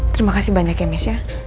terima kasih banyak ya mis ya